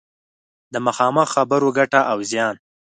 د مخامخ خبرو ګټه او زیان